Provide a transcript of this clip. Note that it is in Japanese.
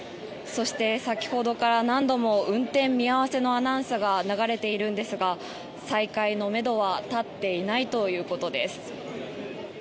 先ほどから何度も運転見合わせのアナウンスが流れているんですが再開のめどは立っていないということです。